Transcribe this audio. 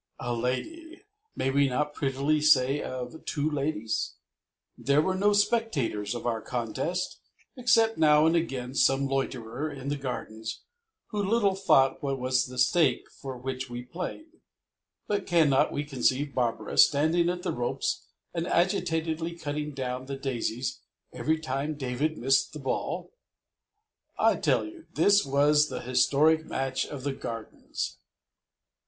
A lady! May we not prettily say of two ladies? There were no spectators of our contest except now and again some loiterer in the Gardens who little thought what was the stake for which we played, but cannot we conceive Barbara standing at the ropes and agitatedly cutting down the daisies every time David missed the ball? I tell you, this was the historic match of the Gardens.